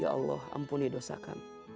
ya allah ampuni dosa kami